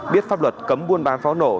biết pháp luật cấm buôn bán pháo nổ